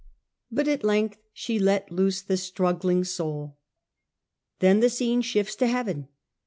But at length she lets loose the struggling soul. Then the The scene scene shifts to heaven.